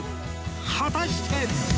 果たして？